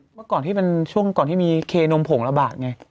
เหมือนก่อนที่มีเคนมผงระบาดไง